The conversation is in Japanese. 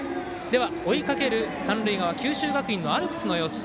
では、追いかける三塁側九州学院のアルプスの様子